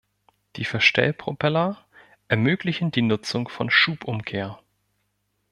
Die Verstellpropeller ermöglichen die Nutzung von Schubumkehr.